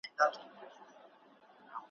هر ډول مخالفت څرګندول `